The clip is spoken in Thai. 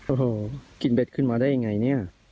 โอ้โหกินเบ็ดขึ้นมาได้ยังไงเนี่ย